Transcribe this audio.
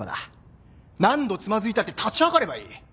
何度つまずいたって立ち上がればいい。